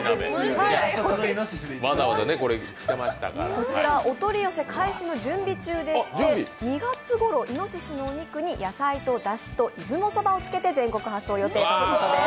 こちらお取り寄せ開始の準備中でして２月頃、いのししのお肉に野菜とだしと出雲そばをつけて全国発送予定です。